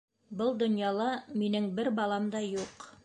Был донъяла минең бер балам да юҡ.